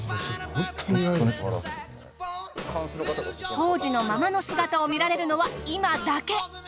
当時のままの姿を見られるのは今だけ。